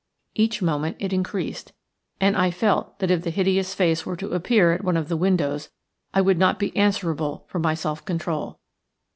Each moment it increased, and I felt that if the hideous face were to appear at one of the windows I would not be answerable for my self control.